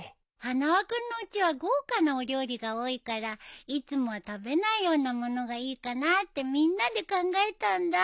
花輪君のうちは豪華なお料理が多いからいつもは食べないようなものがいいかなってみんなで考えたんだ。